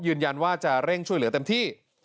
ยืนยันว่าจะเร่งช่วยเหลือเต็มที่